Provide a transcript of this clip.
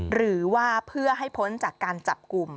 หรือว่าเพื่อให้พ้นจากการจับกลุ่ม